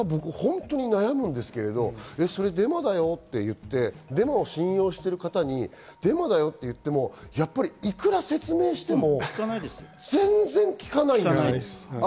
僕、悩むんですが、それデマだよと言ってデマを信用している方にそう言っても、いくら説明しても全然聞かないんですよ。